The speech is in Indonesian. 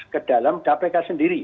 kedalam kpk sendiri